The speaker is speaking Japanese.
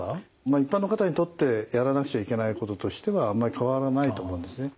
一般の方にとってやらなくちゃいけないこととしてはあんまり変わらないと思うんですね。